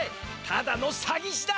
ただのサギしだ！